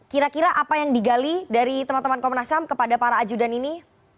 kira kira apa yang digali dari teman teman komnas ham kepada para ajudan ini